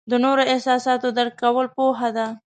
د نورو احساسات درک کول پوهه ده.